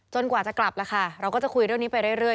กว่าจะกลับแล้วค่ะเราก็จะคุยเรื่องนี้ไปเรื่อย